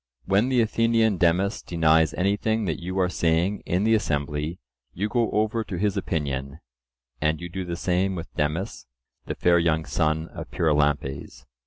When the Athenian Demus denies anything that you are saying in the assembly, you go over to his opinion; and you do the same with Demus, the fair young son of Pyrilampes.